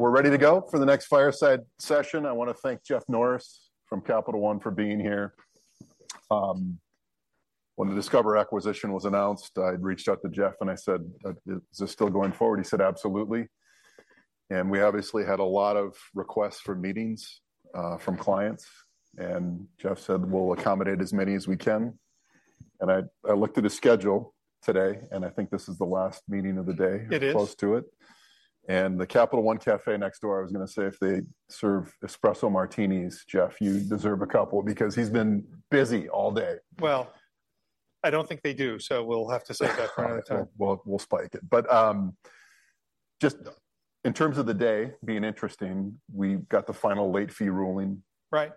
We're ready to go for the next fireside session. I want to thank Jeff Norris from Capital One for being here. When the Discover acquisition was announced, I'd reached out to Jeff and I said, "Is this still going forward?" He said, "Absolutely." And we obviously had a lot of requests for meetings from clients, and Jeff said, "We'll accommodate as many as we can." And I looked at his schedule today, and I think this is the last meeting of the day or close to it. The Capital One Café next door, I was going to say, if they serve espresso martinis, Jeff, you deserve a couple, because he's been busy all day. Well, I don't think they do, so we'll have to save that for another time. Well, we'll spike it. But, just in terms of the day being interesting, we got the final late fee ruling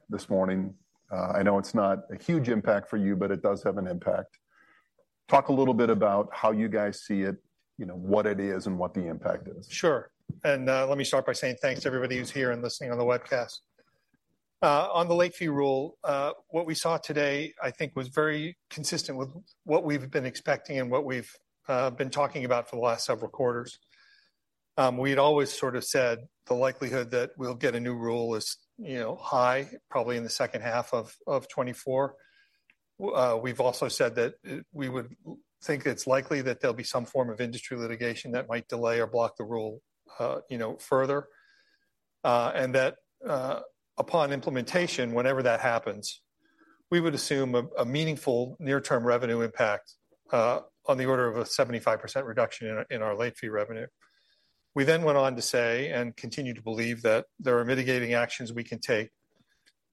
this morning. I know it's not a huge impact for you, but it does have an impact. Talk a little bit about how you guys see it, you know, what it is, and what the impact is. Sure. And let me start by saying thanks to everybody who's here and listening on the webcast. On the Late fee rule, what we saw today, I think, was very consistent with what we've been expecting and what we've been talking about for the last several quarters. We'd always sort of said the likelihood that we'll get a new rule is, you know, high, probably in the second half of 2024. We've also said that we would think it's likely that there'll be some form of industry litigation that might delay or block the rule, you know, further. And that, upon implementation, whenever that happens, we would assume a meaningful near-term revenue impact, on the order of a 75% reduction in our late fee revenue. We then went on to say, and continue to believe, that there are mitigating actions we can take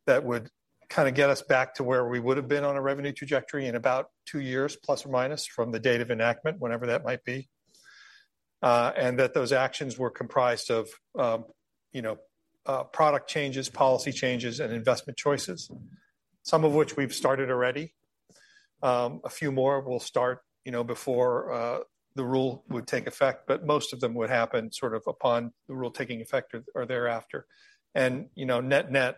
that would kind of get us back to where we would've been on a revenue trajectory in about two years, plus or minus, from the date of enactment, whenever that might be. And that those actions were comprised of, you know, product changes, policy changes, and investment choices, some of which we've started already. A few more will start, you know, before the rule would take effect, but most of them would happen sort of upon the rule taking effect or, or thereafter. And, you know, net-net,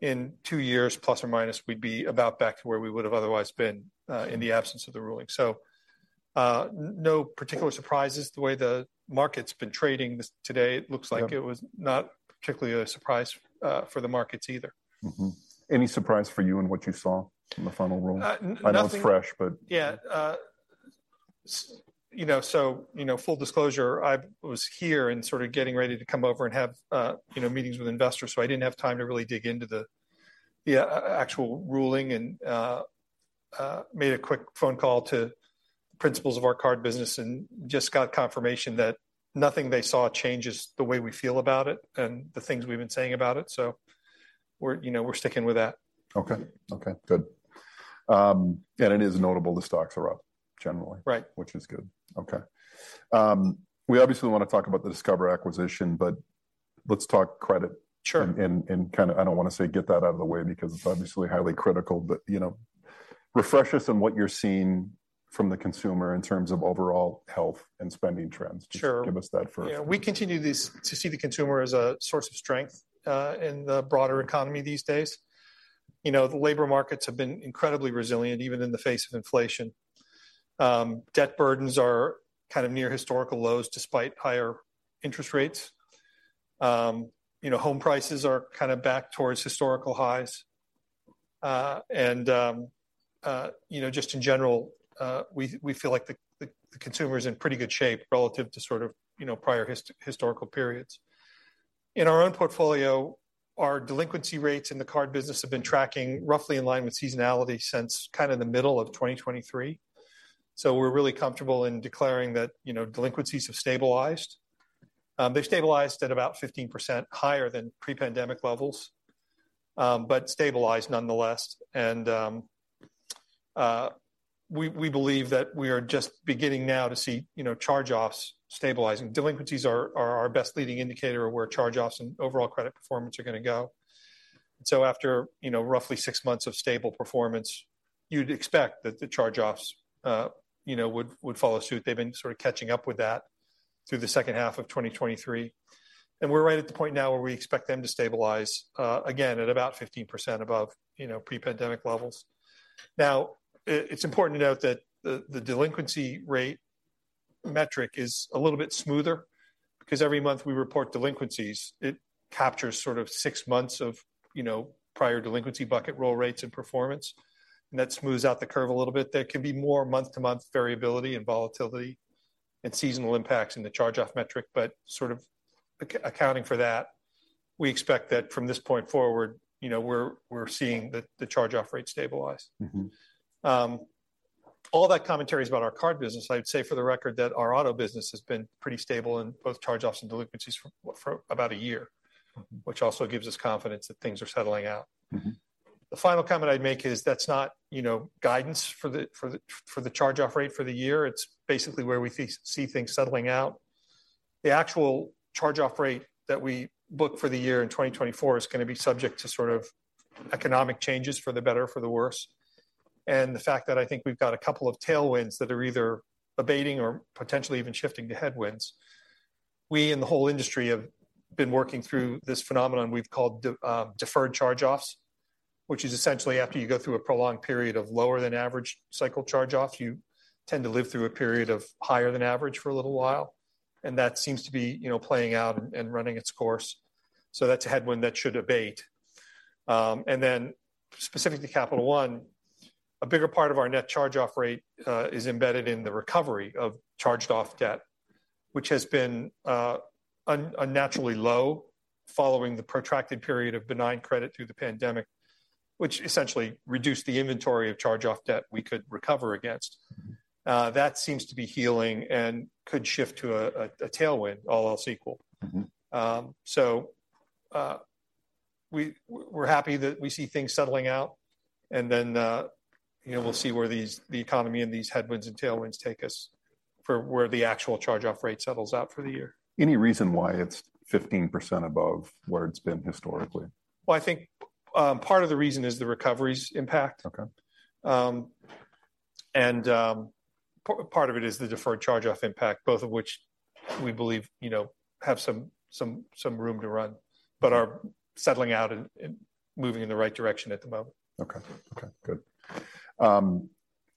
in two years, plus or minus, we'd be about back to where we would've otherwise been, in the absence of the ruling. So, no particular surprises. The way the market's been trading this, today, it looks like it was not particularly a surprise for the markets either. Any surprise for you in what you saw in the final rule? Uh, nothing- I know it's fresh, but- Yeah. You know, so, you know, full disclosure, I was here and sort of getting ready to come over and have, you know, meetings with investors, so I didn't have time to really dig into the actual ruling. Made a quick phone call to principals of our card business and just got confirmation that nothing they saw changes the way we feel about it and the things we've been saying about it, so we're, you know, we're sticking with that. Okay, good. It is notable the stocks are up, generally which is good. Okay. We obviously want to talk about the Discover acquisition, but let's talk credit and kind of, I don't want to say, get that out of the way, because it's obviously highly critical, but, you know, refresh us on what you're seeing from the consumer in terms of overall health and spending trends. Just give us that first. Yeah, we continue this, to see the consumer as a source of strength, in the broader economy these days. You know, the labor markets have been incredibly resilient, even in the face of inflation. Debt burdens are kind of near historical lows, despite higher interest rates. You know, home prices are kind of back towards historical highs. And, you know, just in general, we feel like the consumer is in pretty good shape relative to sort of, you know, prior historical periods. In our own portfolio, our delinquency rates in the card business have been tracking roughly in line with seasonality since kind of the middle of 2023. So we're really comfortable in declaring that, you know, delinquencies have stabilized. They've stabilized at about 15% higher than pre-pandemic levels, but stabilized nonetheless. We believe that we are just beginning now to see, you know, charge-offs stabilizing. Delinquencies are our best leading indicator of where charge-offs and overall credit performance are going to go. So after, you know, roughly six months of stable performance, you'd expect that the charge-offs, you know, would follow suit. They've been sort of catching up with that through the second half of 2023. And we're right at the point now where we expect them to stabilize, again, at about 15% above, you know, pre-pandemic levels. Now, it's important to note that the delinquency rate metric is a little bit smoother, because every month we report delinquencies, it captures sort of six months of, you know, prior delinquency bucket roll rates and performance, and that smooths out the curve a little bit. There can be more month-to-month variability and volatility, and seasonal impacts in the charge-off metric, but sort of accounting for that, we expect that from this point forward, you know, we're seeing the charge-off rate stabilize. All that commentary is about our card business. I'd say, for the record, that our auto business has been pretty stable in both charge-offs and delinquencies for about a year which also gives us confidence that things are settling out. The final comment I'd make is that's not, you know, guidance for the charge-off rate for the year. It's basically where we see things settling out. The actual charge-off rate that we book for the year in 2024 is going to be subject to sort of economic changes for the better or for the worse, and the fact that I think we've got a couple of tailwinds that are either abating or potentially even shifting to headwinds. We, in the whole industry, have been working through this phenomenon we've called deferred charge-offs, which is essentially after you go through a prolonged period of lower-than-average cycle charge-off, you tend to live through a period of higher than average for a little while, and that seems to be, you know, playing out and running its course. So that's a headwind that should abate. And then specific to Capital One, a bigger part of our net charge-off rate is embedded in the recovery of charged-off debt, which has been unnaturally low following the protracted period of benign credit through the pandemic, which essentially reduced the inventory of charge-off debt we could recover against. That seems to be healing and could shift to a tailwind, all else equal. So, we're happy that we see things settling out, and then, you know, we'll see where these, the economy and these headwinds and tailwinds, take us for where the actual charge-off rate settles out for the year. Any reason why it's 15% above where it's been historically? Well, I think, part of the reason is the recoveries impact. Part of it is the deferred charge-off impact, both of which we believe, you know, have some room to run, but are settling out and moving in the right direction at the moment. Okay. Okay, good.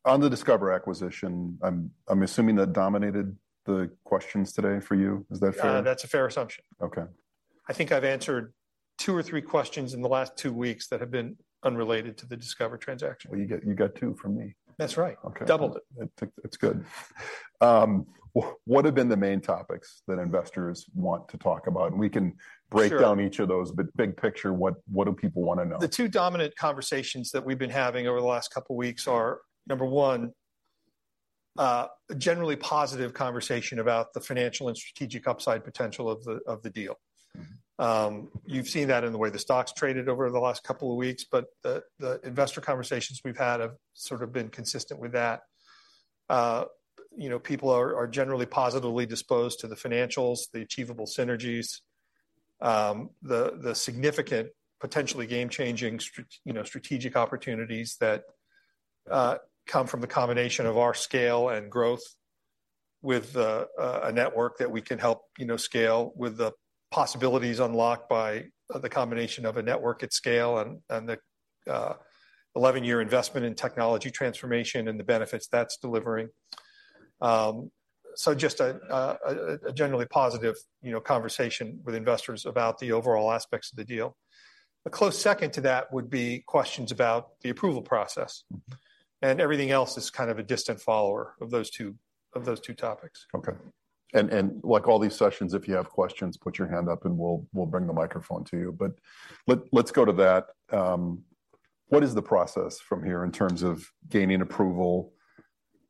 On the Discover acquisition, I'm, I'm assuming that dominated the questions today for you. Is that fair? That's a fair assumption. I think I've answered two or three questions in the last two weeks that have been unrelated to the Discover transaction. Well, you get, you got two from me. That's right. Doubled it. It, it's good. What have been the main topics that investors want to talk about? And we can break down each of those, but big picture, what, what do people want to know? The two dominant conversations that we've been having over the last couple of weeks are, number one, generally positive conversation about the financial and strategic upside potential of the deal. You've seen that in the way the stock's traded over the last couple of weeks, but the investor conversations we've had have sort of been consistent with that. You know, people are generally positively disposed to the financials, the achievable synergies, the significant, potentially game-changing, you know, strategic opportunities that come from the combination of our scale and growth with a network that we can help, you know, scale with the possibilities unlocked by the combination of a network at scale and the 11-year investment in technology transformation and the benefits that's delivering. So just a generally positive, you know, conversation with investors about the overall aspects of the deal. A close second to that would be questions about the approval process. Everything else is kind of a distant follower of those two, of those two topics. Okay. And like all these sessions, if you have questions, put your hand up, and we'll bring the microphone to you. But let's go to that. What is the process from here in terms of gaining approval?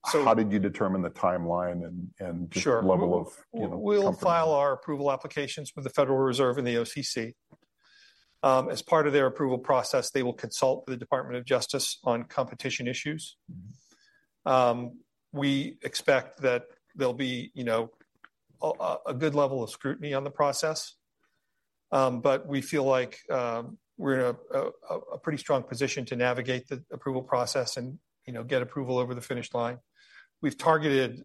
How did you determine the timeline and level of, you know, comfort? We'll file our approval applications with the Federal Reserve and the OCC. As part of their approval process, they will consult with the Department of Justice on competition issues. We expect that there'll be, you know, a good level of scrutiny on the process, but we feel like we're in a pretty strong position to navigate the approval process and, you know, get approval over the finish line. We've targeted,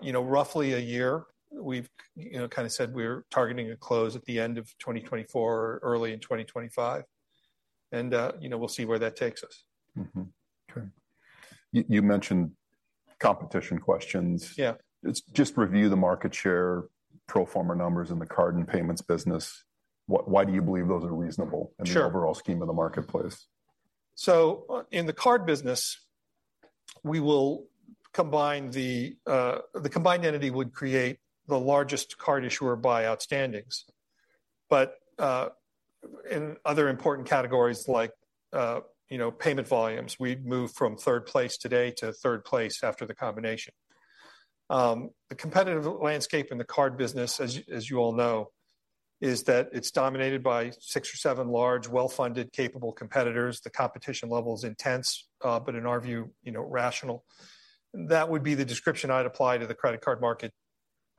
you know, roughly a year. We've, you know, kind of said we're targeting a close at the end of 2024 or early in 2025, and, you know, we'll see where that takes us. Okay. You, you mentioned competition questions. Yeah. Just review the market share, pro forma numbers, and the card and payments business. Why do you believe those are reasonable in the overall scheme of the marketplace? So in the card business, we will combine the, the combined entity would create the largest card issuer by outstandings. But in other important categories like, you know, payment volumes, we'd move from 3rd place today to 3rd place after the combination. The competitive landscape in the card business, as you, as you all know, is that it's dominated by 6 or 7 large, well-funded, capable competitors. The competition level is intense, but in our view, you know, rational. That would be the description I'd apply to the credit card market,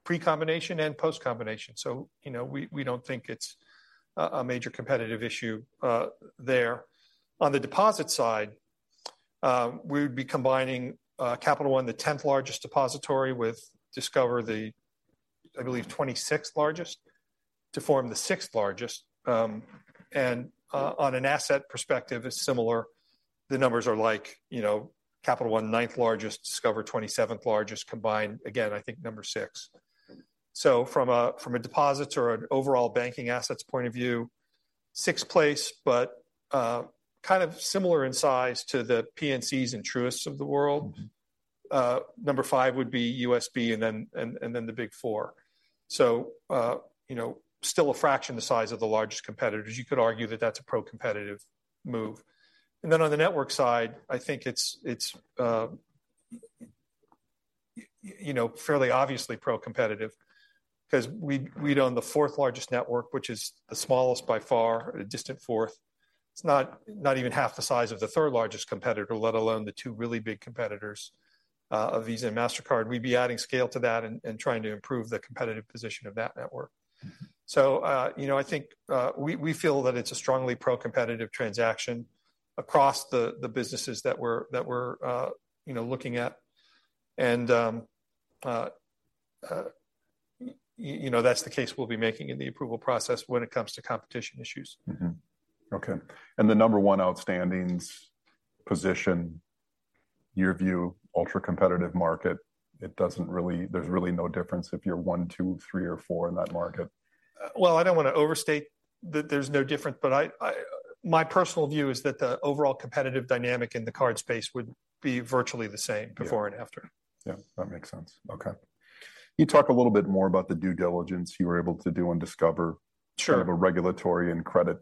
pre-combination and post-combination. So, you know, we, we don't think it's a, a major competitive issue, there. On the deposit side, we would be combining, Capital One, the 10th largest depository, with Discover, the, I believe, 26th largest, to form the 6th largest. And on an asset perspective, it's similar. The numbers are like, you know, Capital One, ninth largest, Discover, 27th largest, combined, again, I think number 6. So from a, from a deposits or an overall banking assets point of view, sixth place, but kind of similar in size to the PNCs and Truists of the world. Number 5 would be USB, and then the Big Four. So, you know, still a fraction the size of the largest competitors. You could argue that that's a pro-competitive move. And then on the network side, I think it's, you know, fairly obviously pro-competitive because we'd own the fourth largest network, which is the smallest by far, a distant fourth. It's not even half the size of the third largest competitor, let alone the two really big competitors, Visa and Mastercard. We'd be adding scale to that and trying to improve the competitive position of that network. So, you know, I think we feel that it's a strongly pro-competitive transaction across the businesses that we're you know looking at. And you know that's the case we'll be making in the approval process when it comes to competition issues. Okay. And the number one outstandings position, your view, ultra-competitive market, it doesn't really—there's really no difference if you're one, two, three, or four in that market? Well, I don't want to overstate that there's no difference, but I, my personal view is that the overall competitive dynamic in the card space would be virtually the same before and after. Yeah, that makes sense. Okay. Can you talk a little bit more about the due diligence you were able to do on Discover kind of a regulatory and credit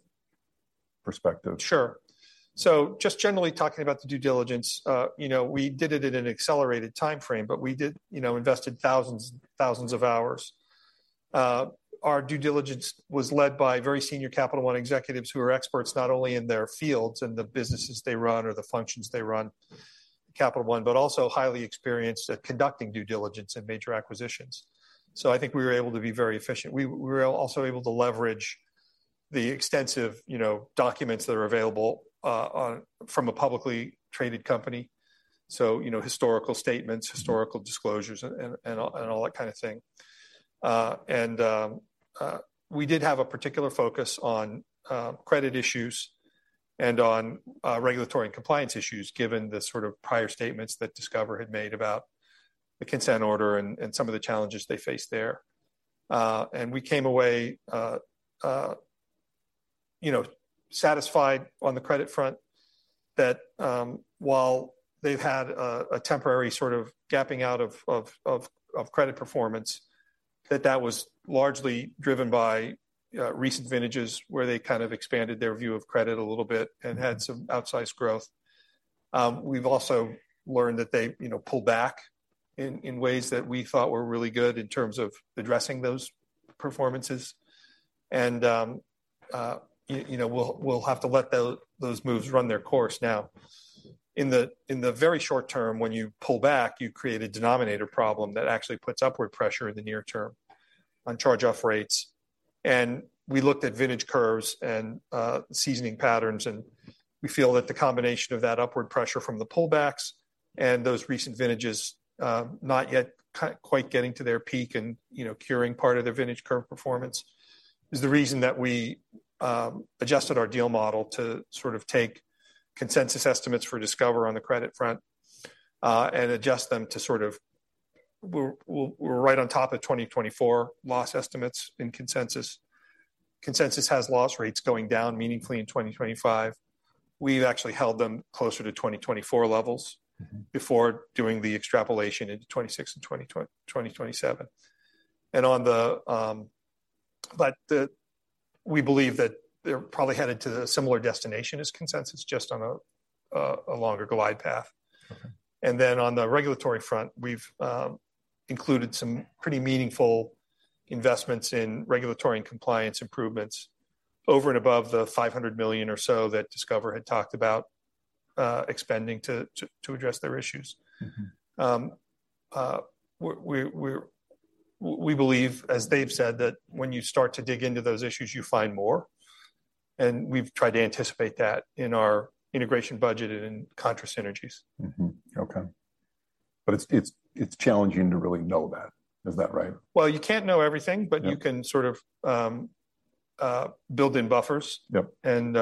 perspective? Sure. So just generally talking about the due diligence, you know, we did it at an accelerated timeframe, but we did, you know, invested thousands, thousands of hours. Our due diligence was led by very senior Capital One executives who are experts not only in their fields and the businesses they run or the functions they run, Capital One, but also highly experienced at conducting due diligence in major acquisitions. So I think we were able to be very efficient. We were also able to leverage the extensive, you know, documents that are available on from a publicly traded company. So, you know, historical statements, historical disclosures, and all that kind of thing. We did have a particular focus on credit issues and on regulatory and compliance issues, given the sort of prior statements that Discover had made about the consent order and some of the challenges they face there. We came away, you know, satisfied on the credit front that, while they've had a temporary sort of gapping out of credit performance, that that was largely driven by recent vintages, where they kind of expanded their view of credit a little bit and had some outsized growth. We've also learned that they, you know, pulled back in ways that we thought were really good in terms of addressing those performances. You know, we'll have to let those moves run their course. Now, in the very short term, when you pull back, you create a denominator problem that actually puts upward pressure in the near term on charge-off rates. And we looked at vintage curves and seasoning patterns, and we feel that the combination of that upward pressure from the pullbacks and those recent vintages not yet quite getting to their peak and, you know, curing part of their vintage curve performance is the reason that we adjusted our deal model to sort of take consensus estimates for Discover on the credit front and adjust them to sort of... We're right on top of 2024 loss estimates in consensus. Consensus has loss rates going down meaningfully in 2025. We've actually held them closer to 2024 levels before doing the extrapolation into 2026 and 2027. And on the, but the—we believe that they're probably headed to a similar destination as consensus, just on a longer glide path. On the regulatory front, we've included some pretty meaningful investments in regulatory and compliance improvements over and above the $500 million or so that Discover had talked about expending to address their issues. We believe, as they've said, that when you start to dig into those issues, you find more, and we've tried to anticipate that in our integration budget and in contra synergies. Okay. But it's challenging to really know that. Is that right? Well, you can't know everything but you can sort of build in buffers. And,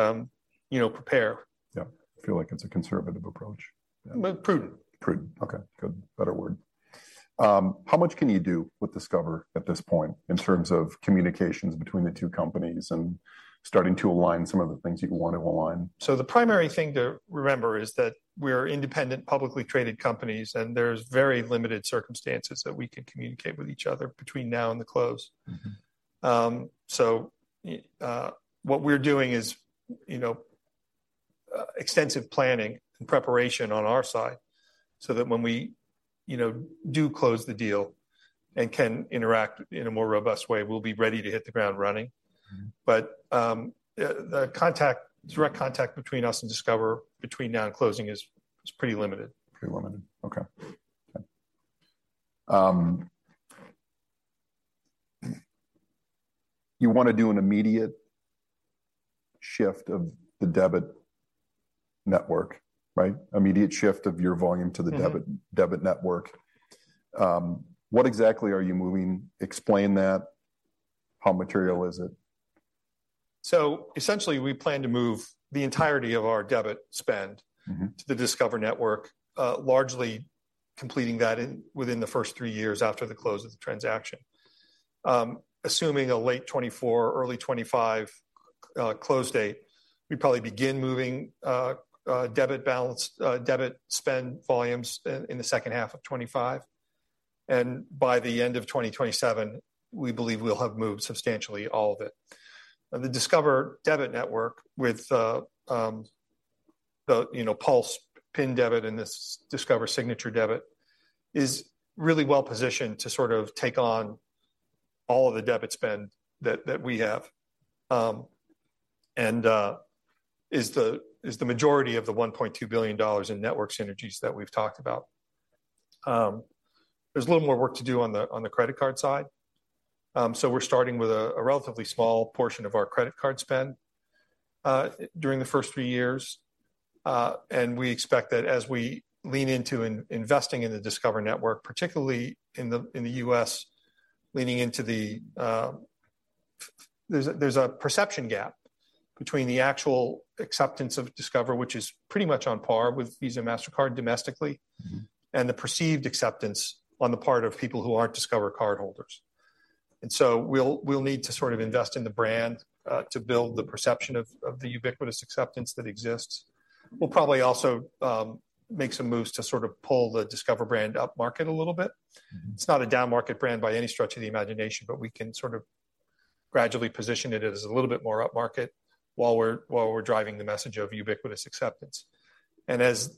you know, prepare. Yeah. I feel like it's a conservative approach. Well, prudent. Prudent, okay, good. Better word. How much can you do with Discover at this point in terms of communications between the two companies and starting to align some of the things you'd want to align? The primary thing to remember is that we're independent, publicly traded companies, and there's very limited circumstances that we can communicate with each other between now and the close. So, what we're doing is, you know, extensive planning and preparation on our side, so that when we, you know, do close the deal and can interact in a more robust way, we'll be ready to hit the ground running. But, the contact, direct contact between us and Discover between now and closing is pretty limited. Pretty limited. Okay. You want to do an immediate shift of the debit network, right? Immediate shift of your volume to the debit, debit network. What exactly are you moving? Explain that. How material is it? So essentially, we plan to move the entirety of our debit spend to the Discover network, largely completing that in within the first 3 years after the close of the transaction. Assuming a late 2024, early 2025, close date, we'd probably begin moving debit balance debit spend volumes in the second half of 2025, and by the end of 2027, we believe we'll have moved substantially all of it. The Discover debit network with you know, Pulse PIN debit and this Discover signature debit is really well-positioned to sort of take on all of the debit spend that we have and is the majority of the $1.2 billion in network synergies that we've talked about. There's a little more work to do on the credit card side. So we're starting with a relatively small portion of our credit card spend during the first three years. We expect that as we lean into investing in the Discover network, particularly in the U.S., leaning into the... There's a perception gap between the actual acceptance of Discover, which is pretty much on par with Visa, Mastercard domestically. And the perceived acceptance on the part of people who aren't Discover cardholders. And so we'll need to sort of invest in the brand to build the perception of the ubiquitous acceptance that exists. We'll probably also make some moves to sort of pull the Discover brand upmarket a little bit. It's not a downmarket brand by any stretch of the imagination, but we can sort of gradually position it as a little bit more upmarket while we're driving the message of ubiquitous acceptance. And as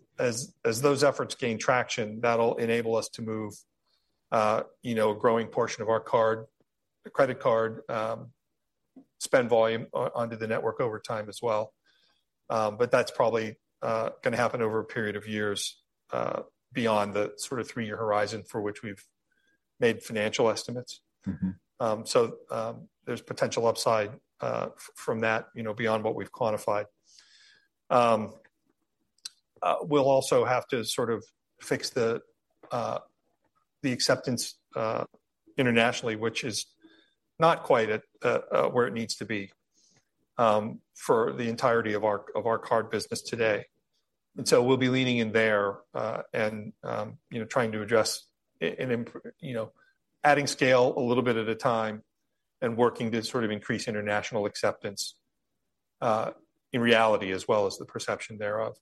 those efforts gain traction, that'll enable us to move you know, a growing portion of our card, the credit card, spend volume onto the network over time as well. But that's probably going to happen over a period of years beyond the sort of three-year horizon for which we've made financial estimates. So, there's potential upside from that, you know, beyond what we've quantified. We'll also have to sort of fix the acceptance internationally, which is not quite at where it needs to be for the entirety of our card business today. And so we'll be leaning in there, and you know, trying to address, you know, adding scale a little bit at a time, and working to sort of increase international acceptance in reality, as well as the perception thereof.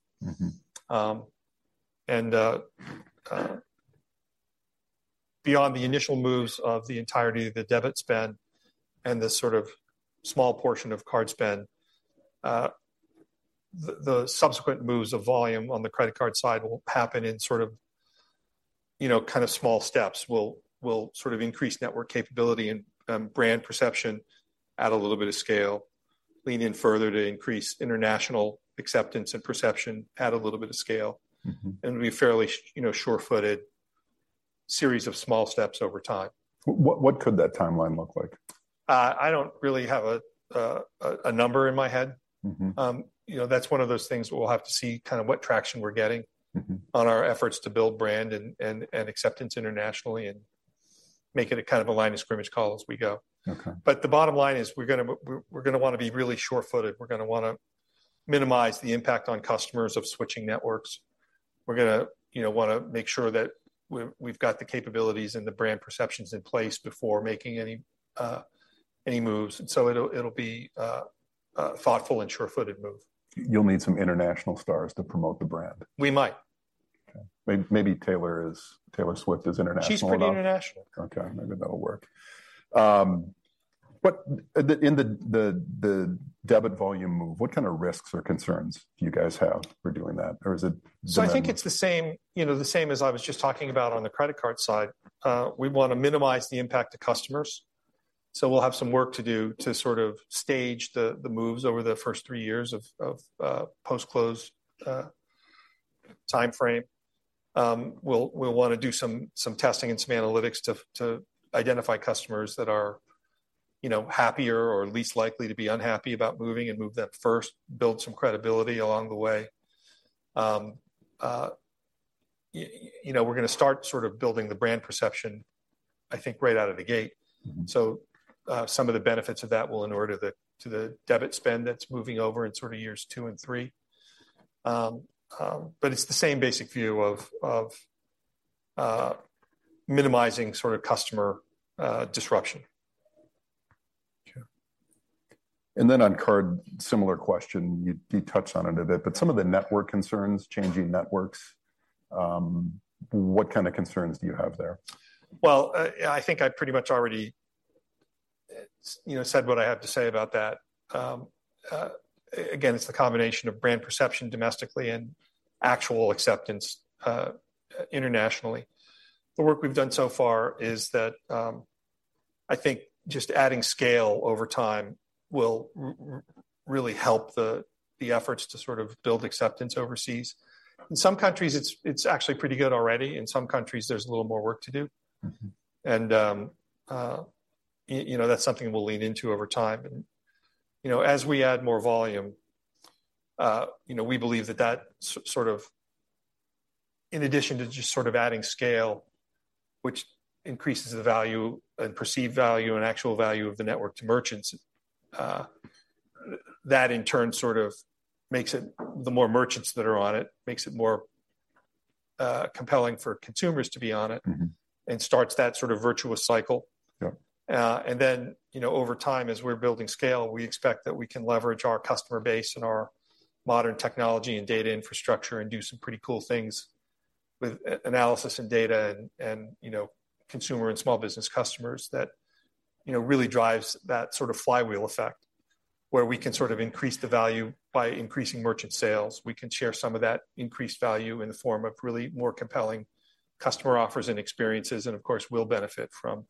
Beyond the initial moves of the entirety of the debit spend and the sort of small portion of card spend, the subsequent moves of volume on the credit card side will happen in sort of, you know, kind of small steps. We'll sort of increase network capability and brand perception, add a little bit of scale, lean in further to increase international acceptance and perception, add a little bit of scale. It'll be a fairly, you know, sure-footed series of small steps over time. What could that timeline look like? I don't really have a number in my head. You know, that's one of those things we'll have to see kind of what traction we're getting on our efforts to build brand and acceptance internationally, and make it a kind of a line of scrimmage call as we go. The bottom line is, we're gonna want to be really sure-footed. We're gonna want to minimize the impact on customers of switching networks. We're gonna, you know, want to make sure that we've got the capabilities and the brand perceptions in place before making any moves. And so it'll be a thoughtful and sure-footed move. You'll need some international stars to promote the brand. We might. Okay. Maybe Taylor Swift is international enough? She's pretty international. Okay, maybe that'll work. But the debit volume move, what kind of risks or concerns do you guys have for doing that? Or is it the same- So I think it's the same, you know, the same as I was just talking about on the credit card side. We want to minimize the impact to customers, so we'll have some work to do to sort of stage the moves over the first three years of post-close time frame. We'll want to do some testing and some analytics to identify customers that are, you know, happier or least likely to be unhappy about moving and move them first, build some credibility along the way. You know, we're gonna start sort of building the brand perception, I think, right out of the gate. So, some of the benefits of that will in order to the debit spend that's moving over in sort of years 2 and 3. But it's the same basic view of minimizing sort of customer disruption. Sure. And then on card, similar question, you touched on it a bit, but some of the network concerns, changing networks, what kind of concerns do you have there? Well, I think I pretty much already, you know, said what I have to say about that. Again, it's the combination of brand perception domestically and actual acceptance internationally. The work we've done so far is that, I think just adding scale over time will really help the efforts to sort of build acceptance overseas. In some countries, it's, it's actually pretty good already. In some countries, there's a little more work to do. You know, that's something we'll lean into over time. You know, as we add more volume, you know, we believe that sort of in addition to just sort of adding scale, which increases the value and perceived value and actual value of the network to merchants, that in turn, sort of makes it the more merchants that are on it, makes it more compelling for consumers to be on it and starts that sort of virtuous cycle. And then, you know, over time, as we're building scale, we expect that we can leverage our customer base and our modern technology and data infrastructure, and do some pretty cool things with analysis and data and, you know, consumer and small business customers that, you know, really drives that sort of flywheel effect, where we can sort of increase the value by increasing merchant sales. We can share some of that increased value in the form of really more compelling customer offers and experiences, and of course, we'll benefit from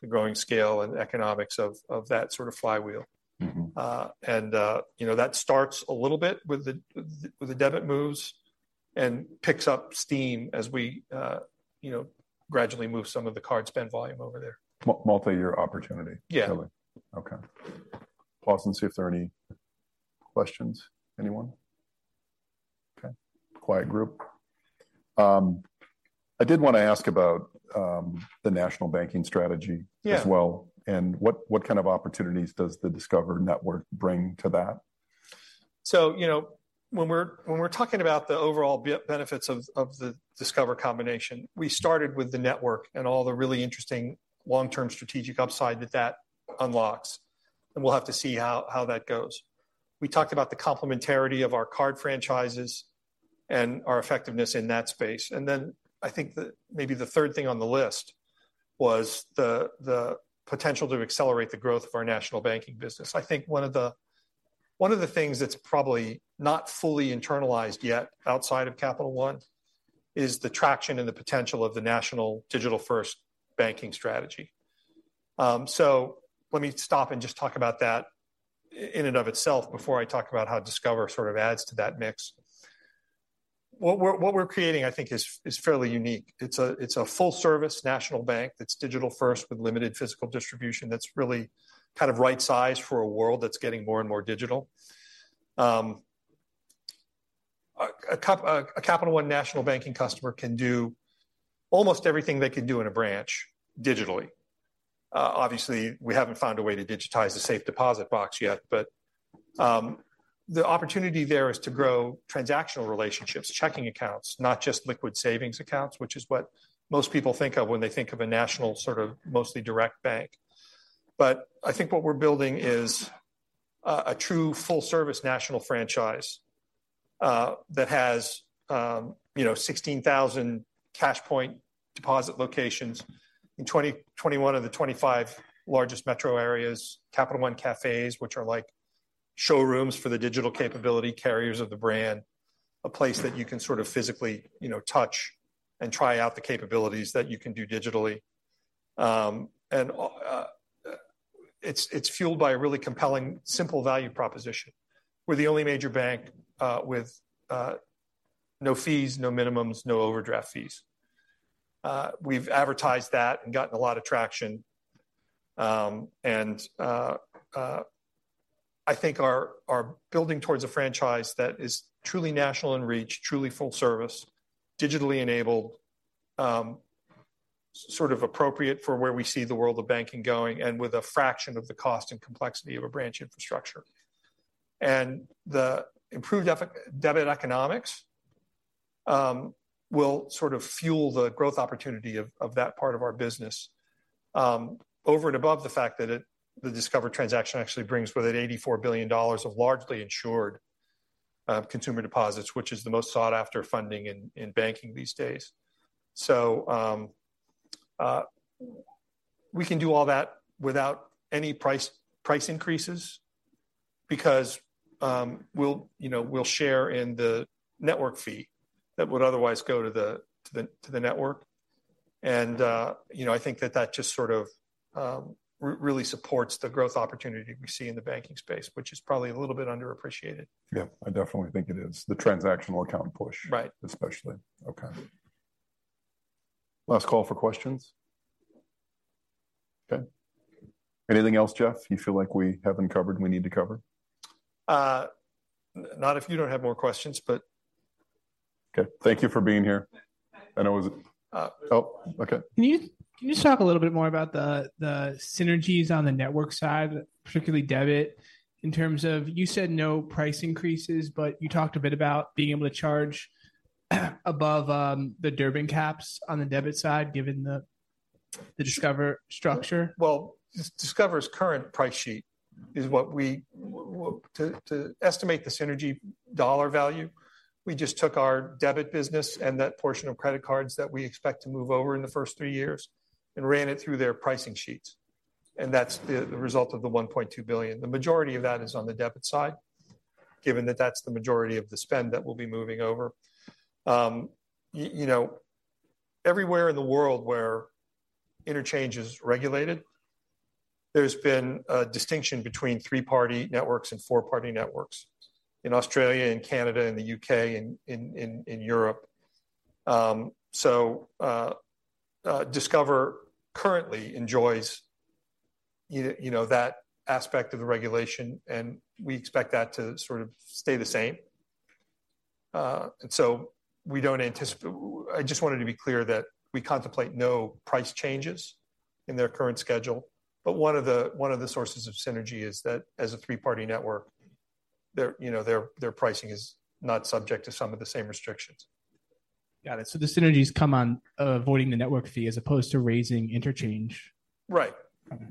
the growing scale and economics of that sort of flywheel. And, you know, that starts a little bit with the debit moves... and picks up steam as we, you know, gradually move some of the card spend volume over there. Mu-multi-year opportunity? Yeah. Okay. Pause and see if there are any questions. Anyone? Okay, quiet group. I did want to ask about the national banking strategy as well, and what, what kind of opportunities does the Discover Network bring to that? So, you know, when we're talking about the overall benefits of the Discover combination, we started with the network and all the really interesting long-term strategic upside that that unlocks, and we'll have to see how that goes. We talked about the complementarity of our card franchises and our effectiveness in that space. And then, I think the maybe the third thing on the list was the potential to accelerate the growth of our national banking business. I think one of the things that's probably not fully internalized yet, outside of Capital One, is the traction and the potential of the national digital-first banking strategy. So let me stop and just talk about that in and of itself before I talk about how Discover sort of adds to that mix. What we're creating, I think, is fairly unique. It's a full-service national bank that's digital first with limited physical distribution that's really kind of right sized for a world that's getting more and more digital. A Capital One national banking customer can do almost everything they can do in a branch digitally. Obviously, we haven't found a way to digitize the safe deposit box yet, but the opportunity there is to grow transactional relationships, checking accounts, not just liquid savings accounts, which is what most people think of when they think of a national, sort of, mostly direct bank. But I think what we're building is a true full-service national franchise, that has, you know, 16,000 cash point deposit locations in 21 of the 25 largest metro areas, Capital One Cafés, which are like showrooms for the digital capability, carriers of the brand, a place that you can sort of physically, you know, touch and try out the capabilities that you can do digitally. And, it's fueled by a really compelling, simple value proposition. We're the only major bank, with, no fees, no minimums, no overdraft fees. We've advertised that and gotten a lot of traction. I think we're building towards a franchise that is truly national in reach, truly full service, digitally enabled, sort of appropriate for where we see the world of banking going, and with a fraction of the cost and complexity of a branch infrastructure. The improved debit economics will sort of fuel the growth opportunity of that part of our business, over and above the fact that the Discover transaction actually brings with it $84 billion of largely insured consumer deposits, which is the most sought-after funding in banking these days. We can do all that without any price increases because, you know, we'll share in the network fee that would otherwise go to the network. You know, I think that that just sort of really supports the growth opportunity we see in the banking space, which is probably a little bit underappreciated. Yeah, I definitely think it is, the transactional account push especially. Okay. Last call for questions. Okay. Anything else, Jeff, you feel like we haven't covered, we need to cover? Not if you don't have more questions, but... Okay. Thank you for being here. I know it was okay. Can you just talk a little bit more about the synergies on the network side, particularly debit, in terms of, you said no price increases, but you talked a bit about being able to charge above the Durbin caps on the debit side, given the Discover structure? Well, Discover's current price sheet is what we want to estimate the synergy dollar value. We just took our debit business and that portion of credit cards that we expect to move over in the first three years and ran it through their pricing sheets, and that's the result of the $1.2 billion. The majority of that is on the debit side, given that that's the majority of the spend that we'll be moving over. You know, everywhere in the world where interchange is regulated, there's been a distinction between three-party networks and four-party networks, in Australia, in Canada, in the U.K., and in Europe. So, Discover currently enjoys, you know, that aspect of the regulation, and we expect that to sort of stay the same. So, we don't anticipate—I just wanted to be clear that we contemplate no price changes in their current schedule, but one of the sources of synergy is that as a three-party network, their, you know, their pricing is not subject to some of the same restrictions. Got it. So the synergies come on, avoiding the network fee as opposed to raising interchange? Right. Okay.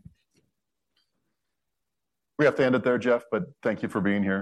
We have to end it there, Jeff, but thank you for being here.